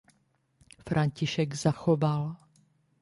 František Zachoval.